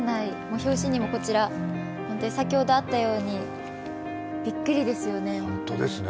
表紙にもこちら、先ほどあったようにびっくりですよね。